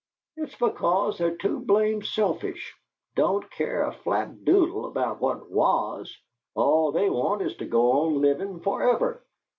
It's because they're too blame selfish don't care a flapdoodle about what WAS, all they want is to go on livin' forever."